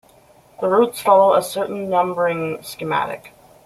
The routes follow a certain numbering schematic.